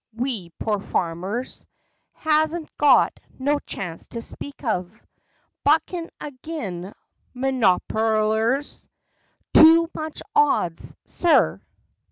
We pore farmers Has n't got no chance to speak of Buckin' a gin mernoperlers. Too much odds, sir.